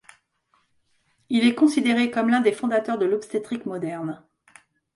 Il est considéré comme l'un des fondateurs de l'obstétrique moderne.